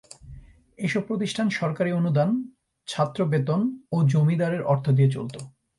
এ সব প্রতিষ্ঠান সরকারী অনুদান, ছাত্র বেতন ও জমিদারদের অর্থ দিয়ে চলত।